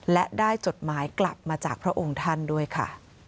และได้จดหมายกลับมาจากพระองค์ท่านด้วยค่ะ